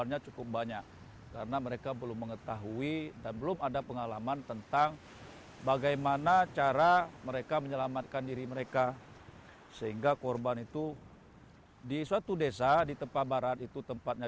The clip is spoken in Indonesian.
yang akan datang mengiringi gempa berkekuatan dahsyat